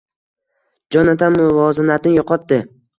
Jonatan muvozanatni yo‘qotdi